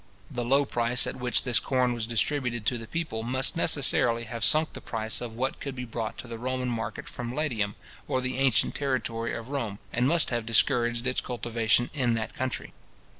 The low price at which this corn was distributed to the people, must necessarily have sunk the price of what could be brought to the Roman market from Latium, or the ancient territory of Rome, and must have discouraged its cultivation in that country.